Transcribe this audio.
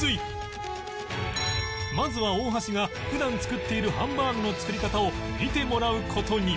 まずは大橋が普段作っているハンバーグの作り方を見てもらう事に